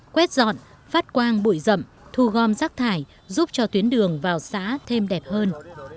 quét dọn phát quang bụi rậm thu gom rác thải giúp cho tuyến đường vào xã thêm đẹp hơn